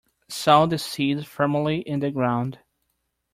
Sow the seeds firmly in the ground.